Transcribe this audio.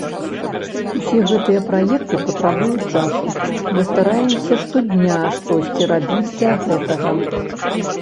Усе гэтыя праекты патрабуюць часу, мы стараемся штодня штосьці рабіць для гэтага.